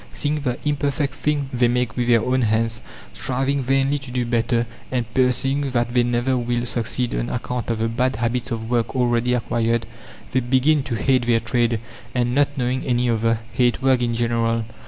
Seeing the imperfect thing they make with their own hands, striving vainly to do better, and perceiving that they never will succeed on account of the bad habits of work already acquired, they begin to hate their trade, and, not knowing any other, hate work in general.